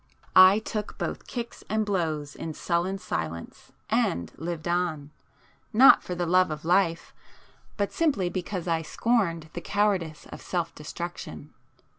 I took both kicks and blows in sullen silence and lived on,—not for the love of life, but simply because I scorned the cowardice of self destruction.